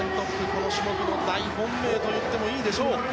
この種目の大本命といってもいいでしょう。